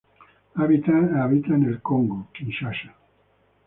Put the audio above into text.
Habita en el Congo, Kinshasa.